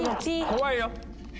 怖いよ。